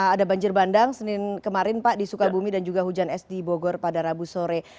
ada banjir bandang senin kemarin pak di sukabumi dan juga hujan es di bogor pada rabu sore